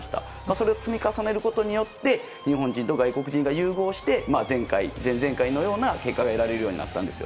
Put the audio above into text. それを積み重ねることによって日本人と外国人が融合して前回、前々回のような結果が得られるようになったんです。